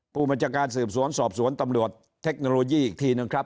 ผู้บัญชาการสืบสวนสอบสวนตำรวจเทคโนโลยีอีกทีหนึ่งครับ